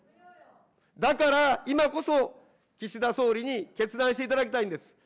だから今こそ、岸田総理に決断していただきたいんです。